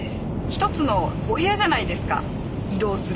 一つのお部屋じゃないですか移動する。